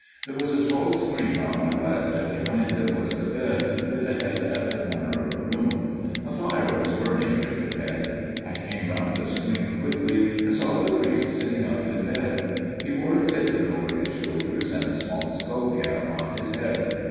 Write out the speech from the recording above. There was a tall screen on my left, and behind it was the bed, with the head in the corner of the room: a fire was burning near the bed. I came round the screen quickly, and saw the priest sitting up in bed. He wore a tippet over his shoulders and a small skull cap on his head.